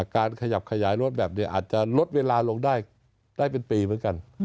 การขยับขยายรถแบบนี้อาจจะลดเวลาลงได้เป็นปีเหมือนกัน